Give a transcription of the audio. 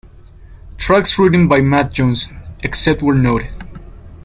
Tracks written by Matt Johnson, except where noted.